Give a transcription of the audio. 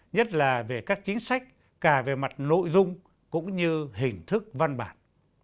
nhất là về các chính sách cả về mặt nội dung cũng như hình thức văn bản